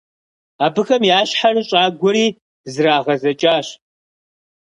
Абыхэм я щхьэр щӀагуэри зрагъэзэкӀащ.